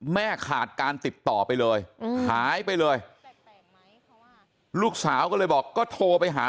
ขาดการติดต่อไปเลยหายไปเลยลูกสาวก็เลยบอกก็โทรไปหา